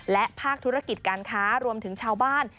และภาคธุรกิจการค้ารวมถึงชาวบ้าน